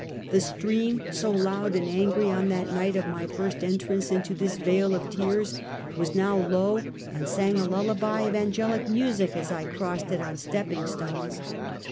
The stream, so loud and angry on that night of ray first en trance into this vale of tears, was now low, and sang a lullaby of angelic music as I crossed it on step ping stones.